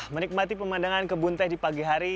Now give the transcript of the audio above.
menikmati pemandangan kebun teh di pagi hari